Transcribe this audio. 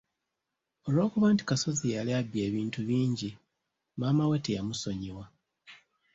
Olw’okuba nti Kasozi yali abbye ebintu bingi, maama we teyamusonyiwa.